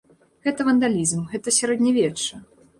Гэта вандалізм, гэта сярэднявечча.